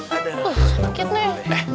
aduh sakit nih